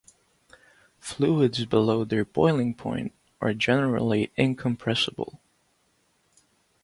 Fluids below their boiling point are generally incompressible.